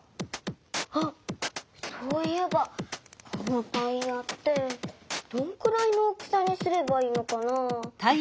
あっそういえばこのタイヤってどんくらいの大きさにすればいいのかな？